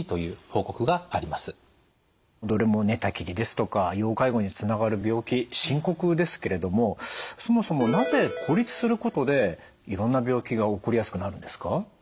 どれも寝たきりですとか要介護につながる病気深刻ですけれどもそもそもなぜ孤立することでいろんな病気が起こりやすくなるんですか？